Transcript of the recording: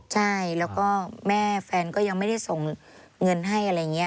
ใช่แล้วก็แม่แฟนก็ยังไม่ได้ส่งเงินให้อะไรอย่างนี้